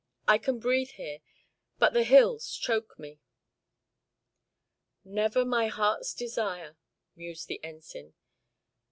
I can breathe here, but the hills choke me." "Never my heart's desire," mused the Ensign.